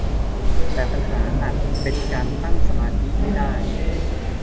แต่ปัญหาอาจเป็นการตั้งสมาธิไม่ได้